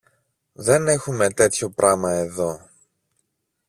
Δεν έχουμε τέτοιο πράμα εδώ.